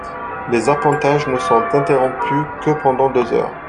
Les appontages ne sont interrompus que pendant deux heures.